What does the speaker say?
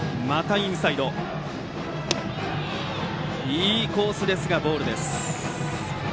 いいコースですがボールです。